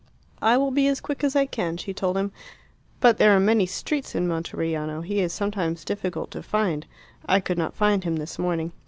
"I will be as quick as I can," she told him. "But there are many streets in Monteriano; he is sometimes difficult to find. I could not find him this morning."